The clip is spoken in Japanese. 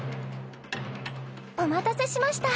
お待たせしました。